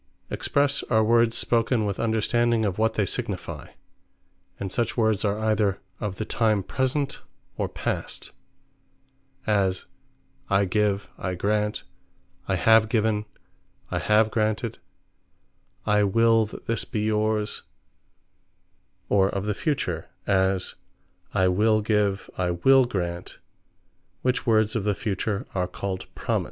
Expresse, are words spoken with understanding of what they signifie; And such words are either of the time Present, or Past; as, I Give, I Grant, I Have Given, I Have Granted, I Will That This Be Yours: Or of the future; as, I Will Give, I Will Grant; which words of the future, are called Promise.